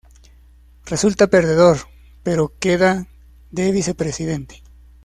Resulta perdedor, pero queda de vicepresidente.